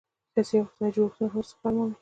سیاسي او اقتصادي جوړښتونه هم استقرار مومي.